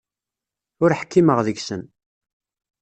Ur ḥkimeɣ deg-sen.